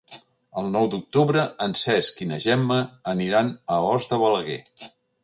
El nou d'octubre en Cesc i na Gemma aniran a Os de Balaguer.